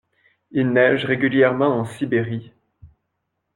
Il neige régulièrement en Sibérie.